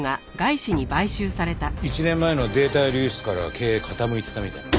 １年前のデータ流出から経営傾いてたみたい。